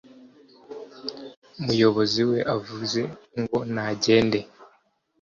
muyobozi we avuze ngo nagende